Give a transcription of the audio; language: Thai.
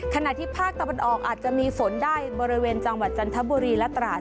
ขณะที่ภาคตะวันออกอาจจะมีฝนได้บริเวณจังหวัดจันทบุรีและตราด